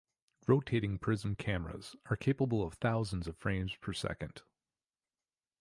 Rotating prism cameras are capable of thousands of frames per second.